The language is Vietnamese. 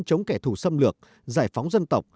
chống kẻ thù xâm lược giải phóng dân tộc